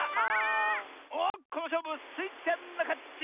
おっこのしょうぶスイちゃんのかち！